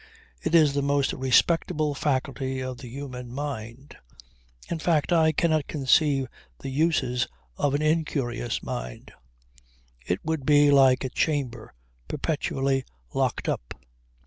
It is the most respectable faculty of the human mind in fact I cannot conceive the uses of an incurious mind. It would be like a chamber perpetually locked up.